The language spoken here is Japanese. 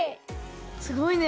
すごいね。